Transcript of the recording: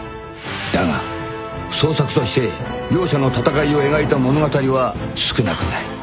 ［だが創作として両者の戦いを描いた物語は少なくない］